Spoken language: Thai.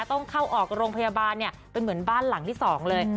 ต้องเข้าออกโรงพยาบาลเนี่ยเป็นเหมือนบ้านหลังที่๒เลย